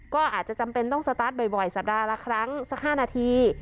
ก็อาจจะจำเป็นต้องสตาร์ทบ่อยสัปดาห์ละครั้งสัก๕นาที